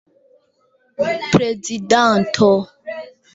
prezidanto